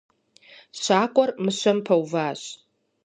Щакӏуэр мыщэм пэуващ.